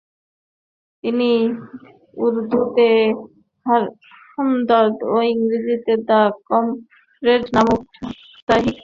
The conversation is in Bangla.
তিনি উর্দুতে হামদর্দ ও ইংরেজিতে দ্য কমরেড নামক সাপ্তাহিক চালু করেন।